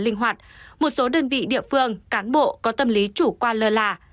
linh hoạt một số đơn vị địa phương cán bộ có tâm lý chủ quan lơ là